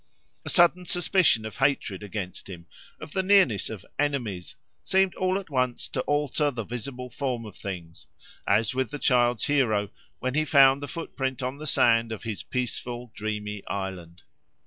A sudden suspicion of hatred against him, of the nearness of "enemies," seemed all at once to alter the visible form of things, as with the child's hero, when he found the footprint on the sand of his peaceful, dreamy island.